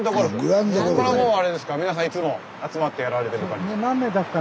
これはもうあれですか皆さんいつも集まってやられてる感じですか？